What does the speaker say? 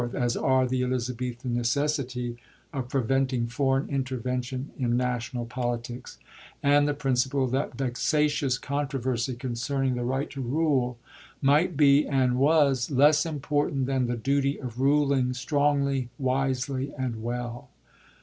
as are the Elizabethan necessity of preventing foreign intervention in national politics, and the prin ciple that vexatious controversy concerning the right to rule might be, and was, less important than the duty of ruling strongly, wisely and well.